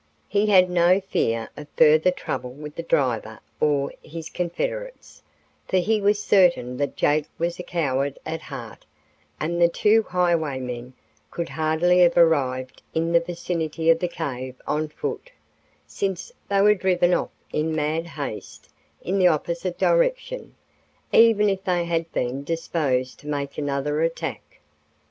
He had no fear of further trouble with the driver or his confederates, for he was certain that Jake was a coward at heart and the two highwaymen could hardly have arrived in the vicinity of the cave on foot, since they were driven off in mad haste in the opposite direction, even if they had been disposed to make another attack.